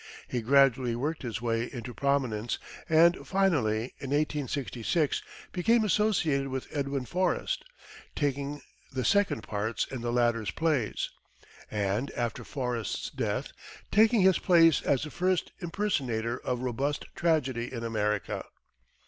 He gradually worked his way into prominence, and finally in 1866, became associated with Edwin Forrest, taking the second parts in the latter's plays; and, after Forrest's death, taking his place as the first impersonator of robust tragedy in America.